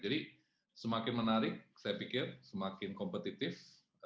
jadi semakin menarik saya pikir semakin kompetitif